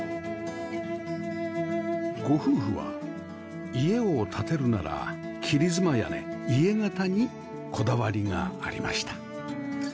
ご夫婦は家を建てるなら切妻屋根イエ型にこだわりがありました